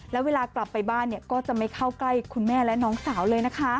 แล้วเวลากลับไปบ้านก็จะไม่เข้าใกล้คุณแม่และน้องสาวเลยนะคะ